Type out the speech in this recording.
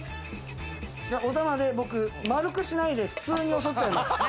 お玉で僕丸くしないで普通によそっちゃいます。